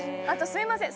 すいません。